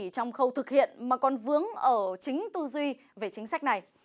trong khâu thực hiện mà còn vướng ở chính tư duy về chính sách này